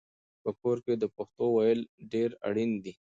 په کور کې د پښتو ویل ډېر اړین دي.